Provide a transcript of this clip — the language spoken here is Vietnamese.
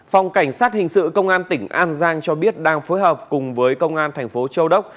phòng cảnh sát hình sự công an tỉnh an giang cho biết đang phối hợp cùng với công an thành phố châu đốc